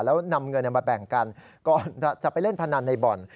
แล้วนำเงินมาแบ่งกันก่อนจะไปเล่นพนันในบ่อน